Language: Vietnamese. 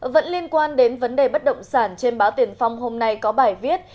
vẫn liên quan đến vấn đề bất động sản trên báo tiền phong hôm nay có bài viết